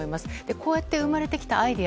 こうやって生まれたアイデア